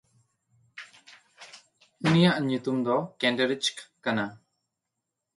ᱩᱱᱤᱭᱟᱜ ᱧᱩᱛᱩᱢ ᱫᱚ ᱠᱮᱱᱰᱮᱨᱤᱪᱠ ᱠᱟᱱᱟ᱾